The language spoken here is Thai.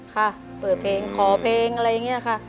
ค่ะเปิดเพลงขอเพลงอะไรอย่างนี้ค่ะ